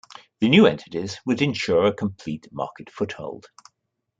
The new entities would ensure a complete market foothold.